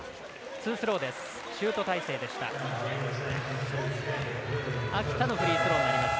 ツースローです。